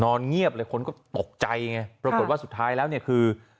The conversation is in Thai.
เงียบเลยคนก็ตกใจไงปรากฏว่าสุดท้ายแล้วเนี่ยคือ